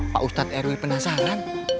pak ustad rw penasaran